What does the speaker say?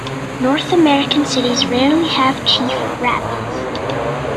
North American cities rarely have chief rabbis.